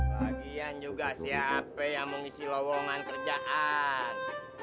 bagian juga siapa yang mengisi lowongan kerjaan